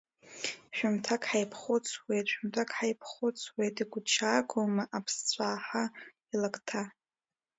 Шәымҭак ҳааиԥхьхәыцуеит, шәымҭак ҳааиԥхьхәыцуеит, игәыҭшьаагоума аԥсцәаҳа илакҭа?